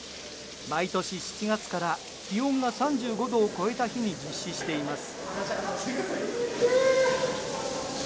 毎年７月から気温が３５度を超えた日に実施しています。